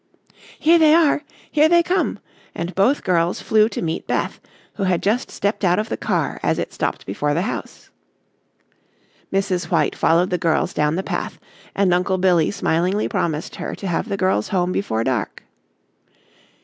"Here they are, here they come," and both girls flew to meet Beth, who had just stepped out of the car as it stopped before the house. Mrs. White followed the girls down the path and Uncle Billy smilingly promised her to have the girls home before dark.